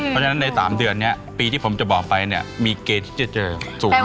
เพราะฉะนั้นใน๓เดือนนี้ปีที่ผมจะบอกไปเนี่ยมีเกณฑ์ที่จะเจอสูง